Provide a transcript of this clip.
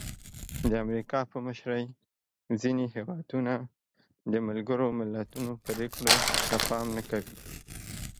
د امریکا په مشرۍ ځینې هېوادونه د ملګرو ملتونو پرېکړو ته پام نه کوي.